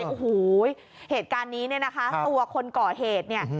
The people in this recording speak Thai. โอ้โหเหตุการณ์นี้เนี่ยนะคะตัวคนก่อเหตุเนี่ย